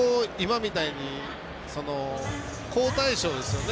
今みたいに好対照ですよね。